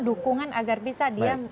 dukungan agar bisa dia